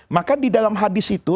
maka di dalam hadis itu